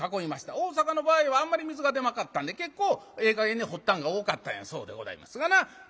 大坂の場合はあんまり水が出なかったんで結構ええ加減に掘ったんが多かったんやそうでございますがな。